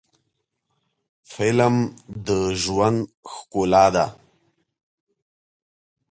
فلم د ژوند ښکلا ده